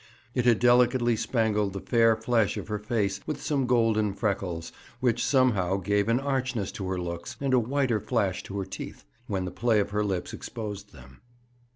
It had delicately spangled the fair flesh of her face with some golden freckles, which somehow gave an archness to her looks, and a whiter flash to her teeth, when the play of her lips exposed them.